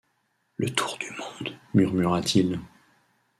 Le tour du monde ! murmura-t-il.